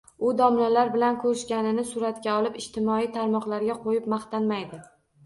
U domlalar bilan ko‘rishganini suratga olib, ijtimoiy tarmoqlarga qo‘yib maqtanmaydi.